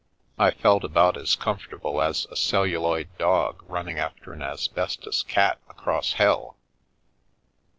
I felt about as comfortable as a celluloid dog run ning after an asbestos cat across hell."